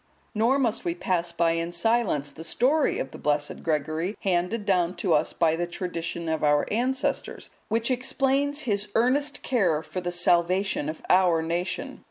Nor must we pass by in silence the story of the blessed Gregory, handed down to us by the tradition of our ancestors, which explains his earnest care for the salvation of our nation.